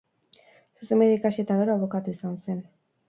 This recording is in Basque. Zuzenbidea ikasi eta gero, abokatu izan zen.